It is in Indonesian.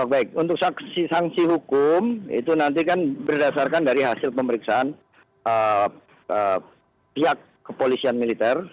baik untuk sanksi hukum itu nanti kan berdasarkan dari hasil pemeriksaan pihak kepolisian militer